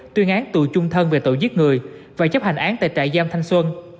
tuyên án tù chung thân về tội giết người và chấp hành án tại trại giam thanh xuân